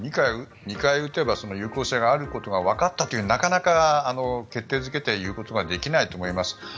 ２回打てば有効性があることがわかったというなかなか決定付けて言うことができないと思います。